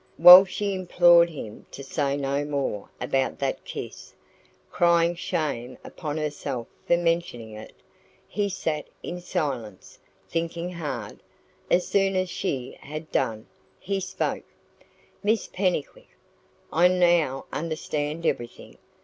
While she implored him to say no more about that kiss, crying shame upon herself for mentioning it, he sat in silence, thinking hard. As soon as she had done, he spoke: "Miss Pennycuick, I now understand everything.